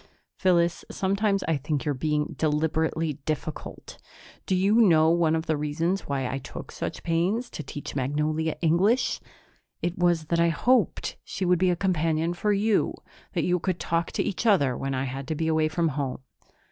"Phyllis, sometimes I think you're being deliberately difficult. Do you know one of the reasons why I took such pains to teach Magnolia English? It was that I hoped she would be a companion for you, that you could talk to each other when I had to be away from home."